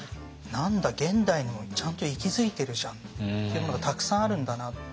「何だ現代にもちゃんと息づいてるじゃん」ってものがたくさんあるんだなと。